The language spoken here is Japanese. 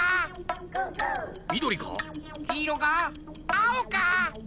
あおか？